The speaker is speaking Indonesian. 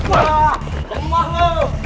wah lemah lu